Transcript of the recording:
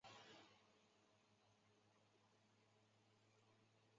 他现在效力于塞尔维亚足球超级联赛球队贝尔格莱德红星足球俱乐部。